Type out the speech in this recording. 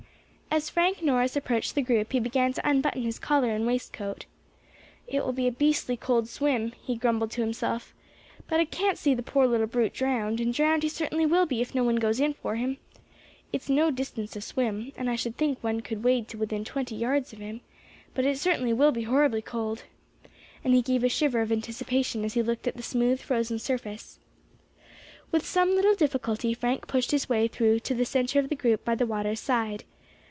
As Frank Norris approached the group he began to unbutton his collar and waistcoat. "It will be a beastly cold swim," he grumbled to himself, "but I can't see the poor little brute drowned, and drowned he certainly will be if no one goes in for him. It's no distance to swim, and I should think one could wade to within twenty yards of him; but it certainly will be horribly cold." And he gave a shiver of anticipation as he looked at the smooth frozen surface. With some little difficulty Frank pushed his way through to the centre of the group by the water's side.